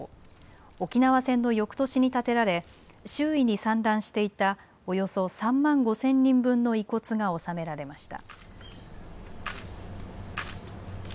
沖縄戦のよくとしに建てられ周囲に散乱していたおよそ３万５０００人分の遺骨が納められました。